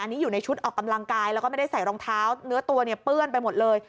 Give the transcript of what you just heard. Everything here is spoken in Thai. อันนี้อยู่ในชุดออกกำลังกายแล้วก็ไม่ได้ใส่รองเท้าเนื้อตัวเนี่ยเปื้อนไปหมดเลย